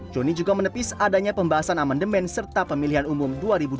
joni juga menepis adanya pembahasan amandemen serta pemilihan umum dua ribu dua puluh